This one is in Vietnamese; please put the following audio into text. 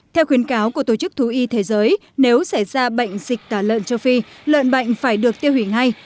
theo khuyến cáo của tổ chức thú y thế giới nếu xảy ra bệnh dịch tả lợn châu phi lợn bệnh phải được tiêu hủy ngay